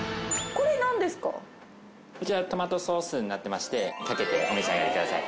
こちらトマトソースになってましてかけてお召し上がりください